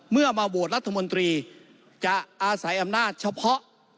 มาโหวตรัฐมนตรีจะอาศัยอำนาจเฉพาะ